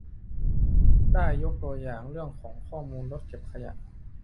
ได้ยกตัวอย่างเรื่องของข้อมูลรถเก็บขยะ